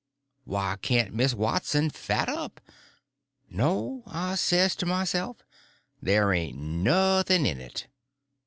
Why can't Miss Watson fat up? No, says I to myself, there ain't nothing in it.